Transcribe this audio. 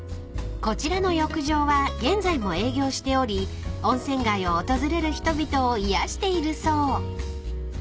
［こちらの浴場は現在も営業しており温泉街を訪れる人々を癒やしているそう］